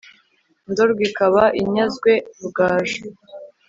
ndorwa ikaba inyazwe rugaju